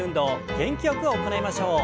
元気よく行いましょう。